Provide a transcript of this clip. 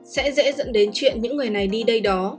sẽ dễ dẫn đến chuyện những người này đi đây đó